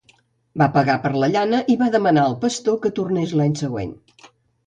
Va pagar per la llana i va demanar al pastor que tornés l'any següent.